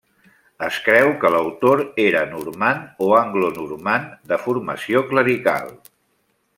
Es creu que l'autor era normand o anglonormand, de formació clerical.